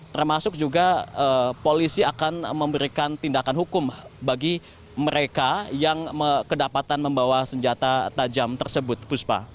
termasuk juga polisi akan memberikan tindakan hukum bagi mereka yang kedapatan membawa senjata tajam tersebut puspa